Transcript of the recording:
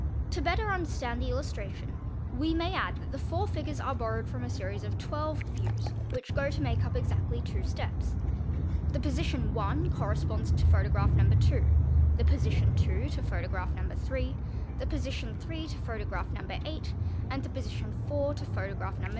To better understand the illustration we may add that the four igures are borrowed from a series of twelve views which go to make up Bsctly two steps, the position I. corresponds to photograph No.2; the dosition II. to photograph No. 3; the position III. to photograph No. 8; und the position 1V., to photograph No. 9.